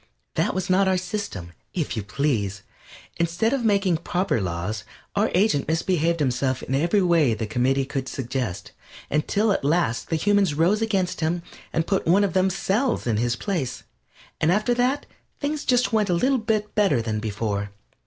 that was not our system, if you please. Instead of making proper laws our agent misbehaved himself in every way the committee could suggest, until at last the humans rose against him and put one of themselves in his place, and after that things went just a little better than before.